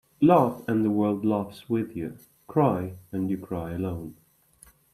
Laugh and the world laughs with you. Cry and you cry alone.